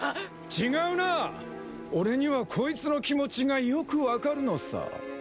違うな俺にはこいつの気持ちがよくわかるのさ。